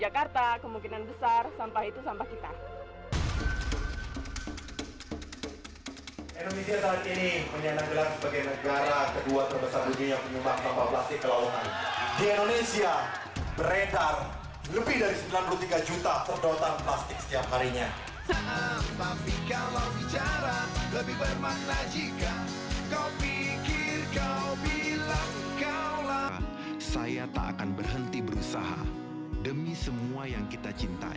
kita akan berhenti berusaha demi semua yang kita cintai